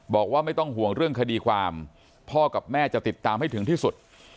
บอกว่าไม่ต้องห่วงเรื่องคดีความพ่อกับแม่จะติดตามให้ถึงที่สุด